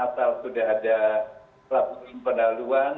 atau sudah ada laporan pendahuluan